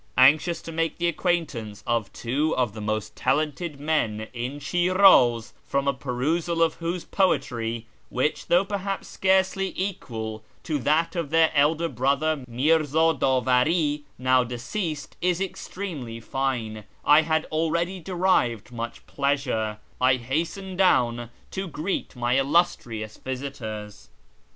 Anxious to make the acquaintance of two of the most talented men in Shiraz, from a perusal of whose poetry (which, though perhaps scarcely equal to that of their elder brother, Mirza Davari, now deceased, is extremely fine) I had already derived much pleasure, I hastened down to greet my illustrious visitors.